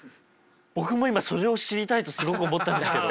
僕も今それを知りたいとすごく思ったんですけど。